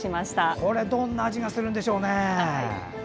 これどんな味がするんですかね？